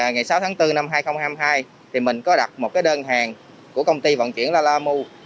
ngày sáu tháng bốn năm hai nghìn hai mươi hai thì mình có đặt một cái đơn hàng của công ty vận chuyển la la mu